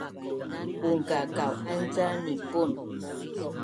Ungkakau’an ca nipun